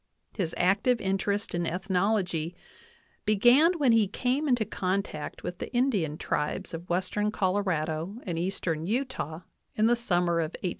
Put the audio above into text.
His active interest in ethnology began when he came into contact with the Indian tribes of western Colorado and eastern Utah in the summer of 1868^!